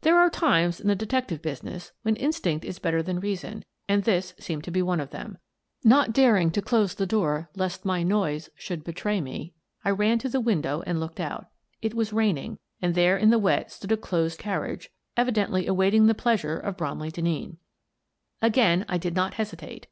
There are times in the detective business when instinct is better than reason, and this seemed to be one of them. Not daring to close the door lest my noise should betray me, I ran to the window and looked out: it was raining, and there in the wet stood a closed carriage, evidently awaiting the pleasure of Bromley Denneen. Again I did not hesitate.